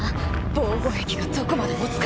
防護壁がどこまでもつか。